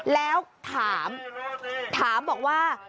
แล้วถามถามบอกว่า